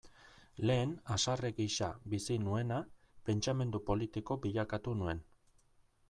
Lehen haserre gisa bizi nuena, pentsamendu politiko bilakatu nuen.